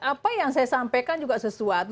apa yang saya sampaikan juga sesuatu